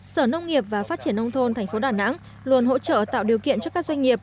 sở nông nghiệp và phát triển nông tôn thành phố đà nẵng luôn hỗ trợ tạo điều kiện cho các doanh nghiệp